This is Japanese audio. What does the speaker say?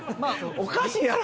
おかしいやろ！